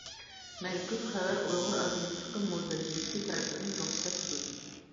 مەزكۇر خەۋەر ئۇيغۇر ئاگېنتلىقى مۇدىرىيىتى تەرىپىدىن رۇخسەت قىلىندى.